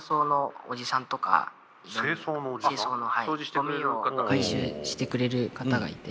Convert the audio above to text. ゴミを回収してくれる方がいて。